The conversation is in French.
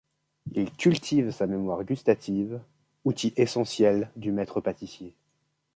Il cultive sa mémoire gustative, outil essentiel du maître-pâtissier.